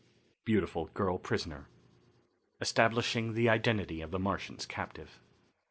Beautiful Girl Prisoner. Establishing the Identity of the Martians' Captive.